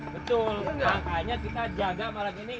betul makanya kita jaga malam ini